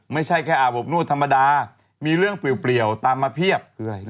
ไม่ใช่แค่อาบอบนวดธรรมดามีเรื่องเปลี่ยวตามมาเพียบ